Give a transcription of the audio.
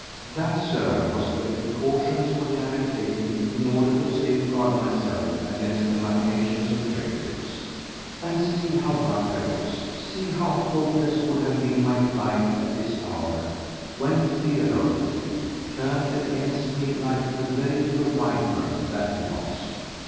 6. That, Sir, was the precaution which I had taken in order to safeguard myself against the machinations of traitors. And see how right I was; see how hopeless would have been my plight at this hour when Theodore, too, turned against me like the veritable viper that he was.